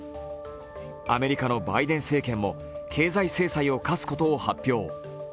アメリカのバイデン政権も経済制裁を科すことを発表。